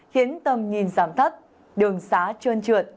khiến tầm nhìn giảm thất đường xá trơn trượt